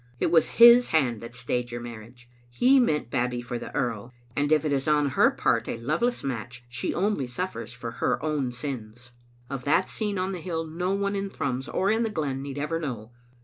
It was His hand that stayed your marriage. He meant Babbie for the earl ; and if it is on her part a loveless match, she only suffers for her own sins. Of that scene on the hill no one in Thrums, or in the glen, need ever know.